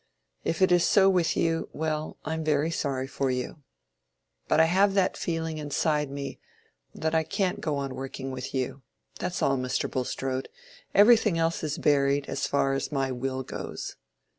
If it is so with you,—well, I'm very sorry for you. But I have that feeling inside me, that I can't go on working with you. That's all, Mr. Bulstrode. Everything else is buried, so far as my will goes.